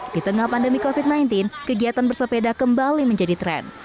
di tengah pandemi covid sembilan belas kegiatan bersepeda kembali menjadi tren